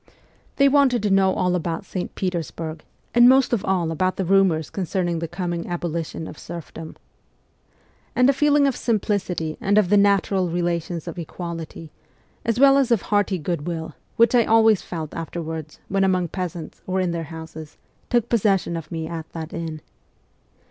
They wanted to know all about St. Petersburg, and most of all about the rumours concerning the coming abolition of serf dom. And a feeling of simplicity and of the natural relations of equality, as well as of hearty good will, which I always felt afterwards when among peasants or in their houses, took possession of me at that inn.